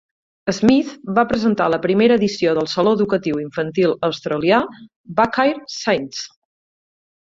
Smith va presentar la primera edició del saló educatiu infantil australià "Backyard Science".